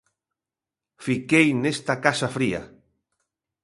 Fiquei nesta casa fría.